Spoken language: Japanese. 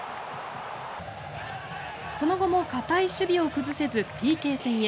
その後も堅い守備を崩せずＰＫ戦へ。